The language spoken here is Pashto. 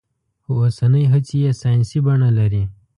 خو اوسنۍ هڅې يې ساينسي بڼه لري.